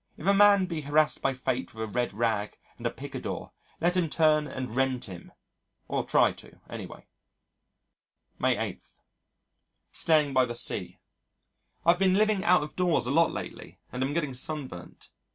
If a man be harassed by Fate with a red rag and a picador let him turn and rend him or try to, anyway. May 8. Staying by the Sea I have been living out of doors a lot lately and am getting sunburnt.